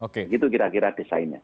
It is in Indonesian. begitu kira kira desainnya